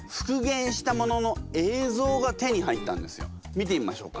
見てみましょうか。